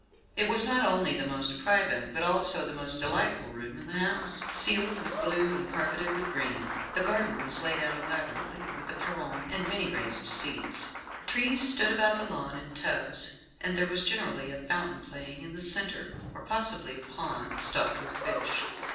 It was not only the most private, but also the most delightful room in the house ceiled with blue and carpeted with green. The garden was laid out elaborately with a perron and many raised seats. Trees stood about the lawn in tubs, and there was generally a fountain playing in the centre, or possibly a pond, stocked with fish.